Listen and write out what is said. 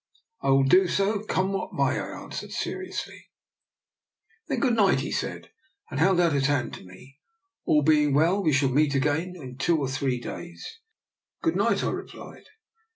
" I will do so, come what may," I an swered seriously. 66 DR. NIKOLA'S EXPERIMENT. " Then good night," he said, and held out his hand to me. " All being well, we shall meet again in two or three days." " Good night," I replied.